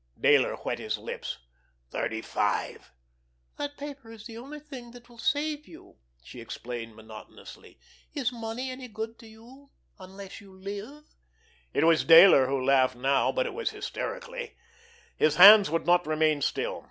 Dayler wet his lips. "Thirty five." "That paper is the only thing that will save you," she explained monotonously. "Is money any good to you—unless you live?" It was Dayler who laughed now, but it was hysterically. His hands would not remain still.